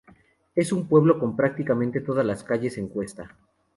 Es un pueblo con prácticamente todas las calles en cuesta.